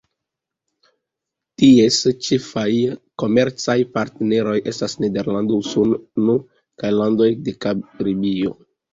Ties ĉefaj komercaj partneroj estas Nederlando, Usono kaj landoj de Karibio.